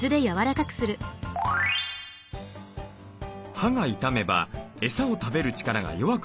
歯が傷めばエサを食べる力が弱くなります。